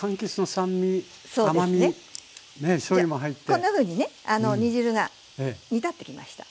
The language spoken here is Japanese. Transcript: こんなふうにね煮汁が煮立ってきました。